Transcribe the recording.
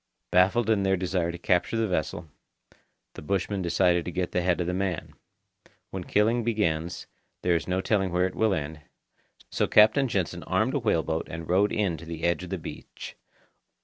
Baffled in their desire to capture the vessel, the bushmen decided to get the head of the man. When killing begins, there is no telling where it will end, so Captain Jansen armed a whale boat and rowed in to the edge of the beach.